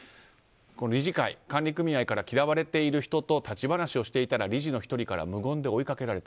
理事会、管理組合から嫌われている人と立ち話をしていたら理事の１人から無言で追いかけられた。